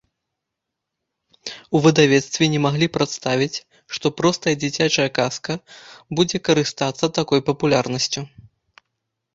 У выдавецтве не маглі прадставіць, што простая дзіцячая казка будзе карыстацца такой папулярнасцю.